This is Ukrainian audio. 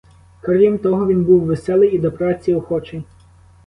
Крім того, він був веселий і до праці охочий.